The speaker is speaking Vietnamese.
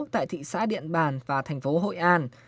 tại thị xã điện bàn và thành phố hội an